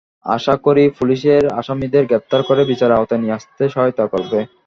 আশা করি পুলিশ আসামিদের গ্রেপ্তার করে বিচারের আওতায় নিয়ে আসতে সহায়তা করবে।